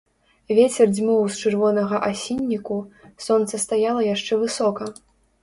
Вецер дзьмуў з чырвонага асінніку, сонца стаяла яшчэ высока.